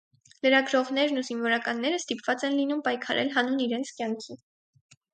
Լրագրողներն ու զինվորականները ստիպված են լինում պայքարել հանուն իրենց կյանքի։